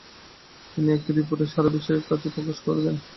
তিনি একটি রিপোর্টে সারা বিশ্বের কাছে প্রকাশ করে দেন ।